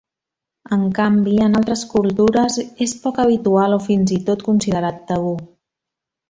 En canvi, en altres cultures és poc habitual o fins i tot considerat tabú.